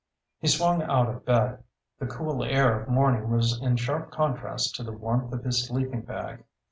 He swung out of bed. The cool air of morning was in sharp contrast to the warmth of his sleeping bag.